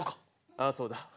ああそうだ。